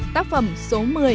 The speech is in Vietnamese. tác phẩm số một mươi